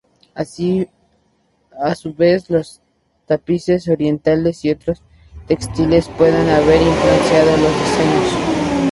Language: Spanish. A su vez, los tapices orientales y otros textiles pueden haber influenciado los diseños.